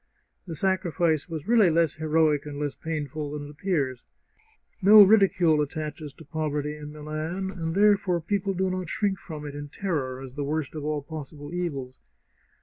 The sacrifice was really less heroic and less painful than it appears. No ridicule attaches to poverty in Milan, and therefore people do not shrink from it in terror, as the worst of all possible evils.